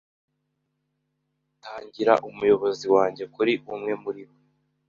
Tangira Umuyobozi wanjye kuri umwe muri bo